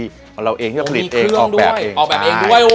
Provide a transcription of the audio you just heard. เพราะเราเองจะผลิตเองออกแบบเองด้วย